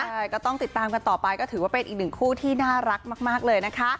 ใช่ก็ต้องติดตามกันต่อไปก็ถือว่าเป็นอีกหนึ่งคู่ที่น่ารักมากเลยนะคะ